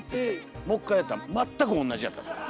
もう一回やったら全く同じやったんですよ。